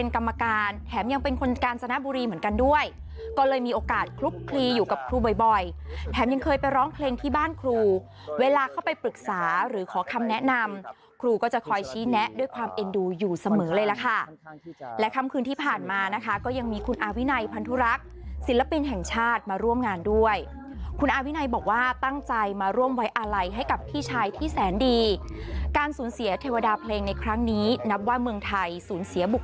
กรรมการแถมยังเป็นคนกาลจนบุรีเหมือนกันด้วยก็เลยมีโอกาสคลุกคลีอยู่กับครูบ่อยแถมยังเคยไปร้องเพลงที่บ้านครูเวลาเข้าไปปรึกษาหรือขอคำแนะนำครูก็จะคอยชี้แนะด้วยความเอ็นดูอยู่เสมอเลยละค่ะและคำคืนที่ผ่านมานะคะก็ยังมีคุณอาวินัยพันธุรักษ์ศิลปินแห่งชาติมาร่วมงานด้วยคุณอาวินัยบ